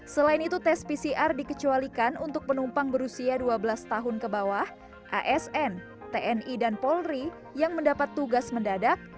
selain itu tes pcr dikecualikan untuk penumpang berusia dua belas tahun ke bawah asn tni dan polri yang mendapat tugas mendadak